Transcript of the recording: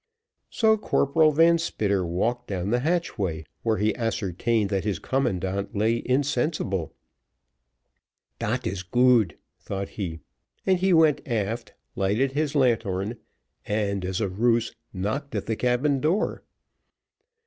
So Corporal Van Spitter walked down the hatchway, where he ascertained that his commandant lay insensible. "Dat is good," thought he, and he went aft, lighted his lanthorn, and, as a ruse, knocked at the cabin door.